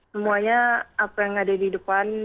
semuanya apa yang ada di depan